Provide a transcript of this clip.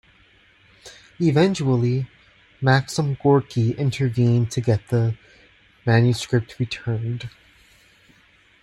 Eventually, Maxim Gorky intervened to get the manuscript returned.